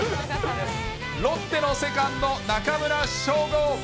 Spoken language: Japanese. ロッテのセカンド、中村奨吾。